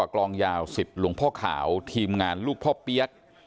กลองยาวสิทธิ์หลวงพ่อขาวทีมงานลูกพ่อเปี๊ยก